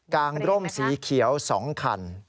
งร่มสีเขียว๒คัน